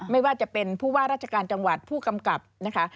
ไม่ว่าจะเป็นผู้ว่าราชการจังหวัดผู้กำกับนะคะ